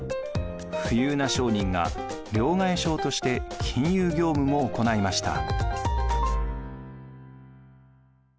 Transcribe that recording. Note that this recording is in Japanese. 富裕な商人が両替商として金融業務も行いました。